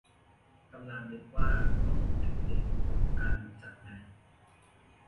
กำลังนึกว่า ก็เหมาะเป็นเพลงประกอบการบุกจับนะ